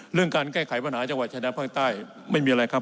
เรื่องการแก้ไขปัญหาจังหวัดชายแดนภาคใต้ไม่มีอะไรครับ